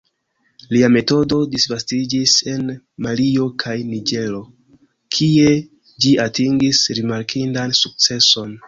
Lia metodo disvastiĝis en Malio kaj Niĝero, kie ĝi atingis rimarkindan sukceson.